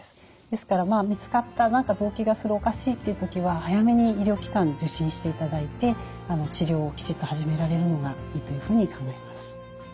ですから見つかった何か動悸がするおかしいという時は早めに医療機関受診していただいて治療をきちっと始められるのがいいというふうに考えます。